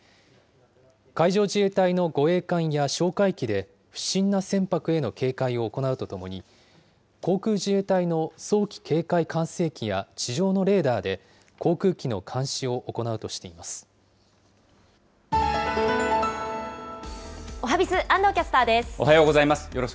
海上自衛隊の護衛艦や哨戒機で、不審な船舶への警戒を行うとともに、航空自衛隊の早期警戒管制機や地上のレーダーで、航空機の監視をおはＢｉｚ、おはようございます。